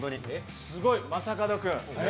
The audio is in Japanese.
すごい、正門君。